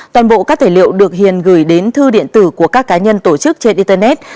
toàn bộ các tài liệu được hiền gửi đến thư điện tử của các cá nhân tổ chức trên internet